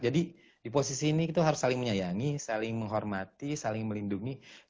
jadi di posisi ini kita harus saling menyayangi saling menghormati saling melindungi